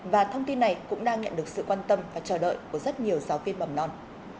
và thông tin này cũng đang nhận được sự quan tâm và chờ đợi của rất nhiều giáo viên mầm non